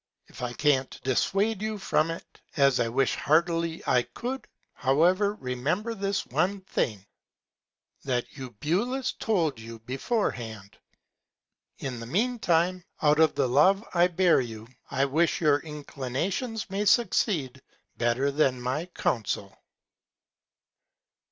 If I can't dissuade you from it, as I wish heartily I could, however, remember this one Thing, that Eubulus told you before Hand. In the mean Time, out of the Love I bear you, I wish your Inclinations may succeed better than my Counsel.